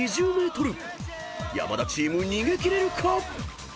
［山田チーム逃げ切れるか⁉］